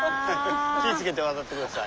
気ぃ付けて渡って下さい。